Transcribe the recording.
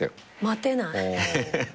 待てない。